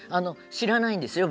知らないんですよ。